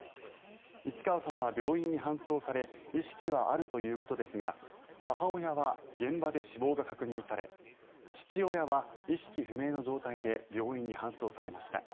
市川さんは病院に搬送され意識はあるということですが母親は現場で死亡が確認され父親は意識不明の状態で病院に搬送されました。